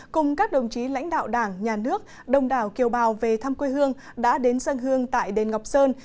cùng các đồng chí lãnh đạo đảng nhà nước đông đảo kiều bào về thăm quê hương đã đến sân hương tại đền ngọc sơn